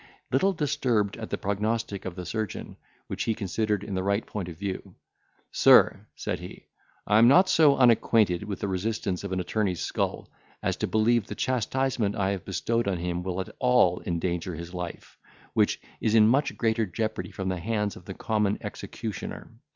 Little disturbed at the prognostic of the surgeon, which he considered in the right point of view; "Sir," said he, "I am not so unacquainted with the resistance of an attorney's skull, as to believe the chastisement I have bestowed on him will at all endanger his life, which is in much greater jeopardy from the hands of the common executioner.